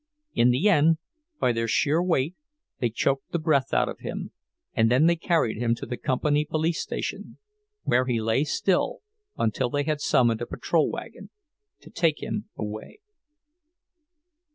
In the end, by their sheer weight, they choked the breath out of him, and then they carried him to the company police station, where he lay still until they had summoned a patrol wagon to take him away.